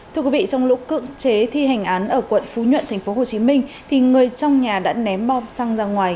thưa quý vị trong lúc cưỡng chế thi hành án ở quận phú nhuận tp hcm thì người trong nhà đã ném bom xăng ra ngoài